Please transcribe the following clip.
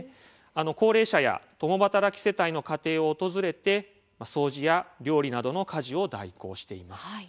高齢者や共働き世帯の家庭を訪れて掃除や料理などの家事を代行しています。